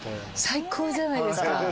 最高じゃないですか。